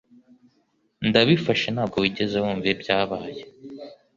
Ndabifashe ntabwo wigeze wumva ibyabaye